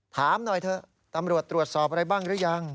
ถามหน่อยเถอะตำรวจตรวจสอบอะไรบ้างหรือยัง